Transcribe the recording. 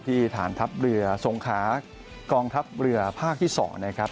ฐานทัพเรือสงขากองทัพเรือภาคที่๒นะครับ